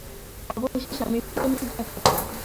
অবশেষে আমি প্রেমের দেখা পেলাম।